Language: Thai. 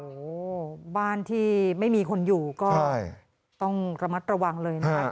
โอ้โหบ้านที่ไม่มีคนอยู่ก็ต้องระมัดระวังเลยนะครับ